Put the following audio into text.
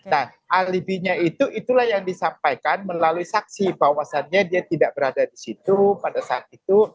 nah alibinya itu itulah yang disampaikan melalui saksi bahwasannya dia tidak berada di situ pada saat itu